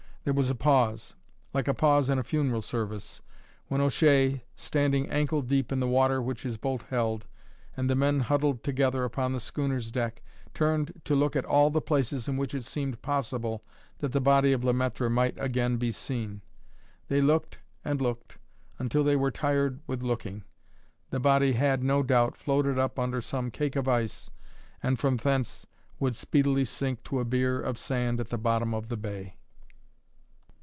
There was a pause, like a pause in a funeral service, when O'Shea, standing ankle deep in the water which his boat held, and the men huddled together upon the schooner's deck, turned to look at all the places in which it seemed possible that the body of Le Maître might again be seen. They looked and looked until they were tired with looking. The body had, no doubt, floated up under some cake of ice, and from thence would speedily sink to a bier of sand at the bottom of the bay.